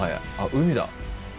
海だ！